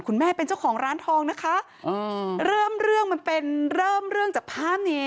แม่เป็นเจ้าของร้านทองนะคะอ่าเริ่มเรื่องมันเป็นเริ่มเรื่องจากภาพนี้